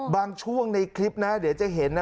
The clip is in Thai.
ช่วงในคลิปนะเดี๋ยวจะเห็นนะ